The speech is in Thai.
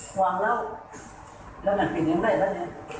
หวังเล่าแล้วมันเป็นยังไงบ้างเนี่ย